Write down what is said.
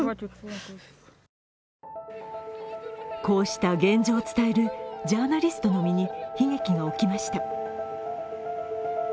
こうした現状を伝えるジャーナリストの身に悲劇が起きました。